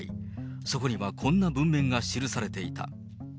そこにはこんな文面が記されていた。